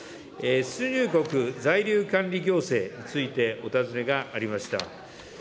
出入国在留管理行政についてお尋ねがありました。